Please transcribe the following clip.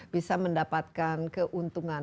bisa mendapatkan keuntungan